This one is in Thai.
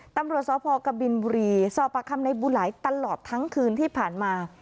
ตำรวจสพกบินบุรีสอบประคำในบูไหลตลอดทั้งคืนที่ผ่านมา